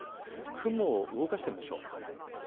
雲を動かしてみましょう。